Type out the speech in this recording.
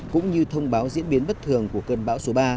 cũng như thông báo diễn biến bất thường của cơn bão số ba